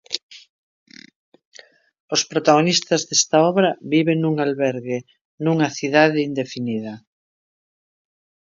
Os protagonistas desta obra viven nun albergue, nunha cidade indefinida.